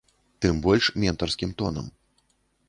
Тым больш ментарскім тонам.